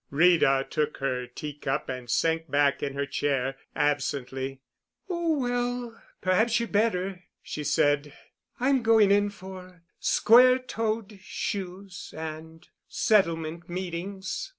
Rita took her tea cup and sank back in her chair absently. "Oh, well—perhaps you'd better," she said. "I'm going in for square toed shoes and settlement meetings."